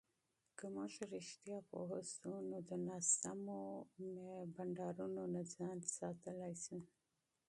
که موږ رښتیا پوه شو، نو د غلطو محاسبو نه ځان محفوظ کړو.